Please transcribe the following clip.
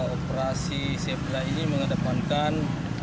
operasi zebra ini menghadapankan